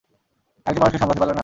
একজন মানুষকে সামলাতে পারলে না?